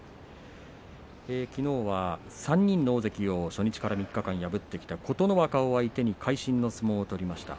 きのうは３人の大関を初日から３日間破ってきた琴ノ若相手に会心の相撲を取りました。